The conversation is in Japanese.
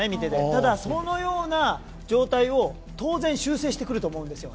ただ、そのような状態を当然修正してくると思うんですよ